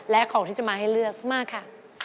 และของที่จะมาให้เลือกมาค่ะ